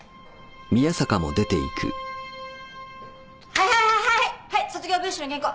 はいはいはい卒業文集の原稿。